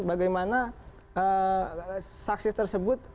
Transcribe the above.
bagaimana saksi tersebut